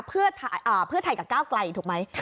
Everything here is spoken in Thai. เพื่อไทยกับก้าวไกลถูกไหม